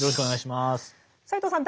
斎藤さん